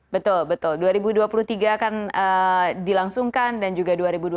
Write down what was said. betul betul dua ribu dua puluh tiga akan dilangsungkan dan juga dua ribu dua puluh